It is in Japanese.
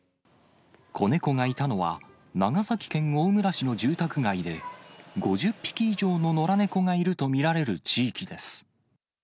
子猫がいたのは、長崎県大村市の住宅街で、５０匹以上の野良猫がいると見られる地域です。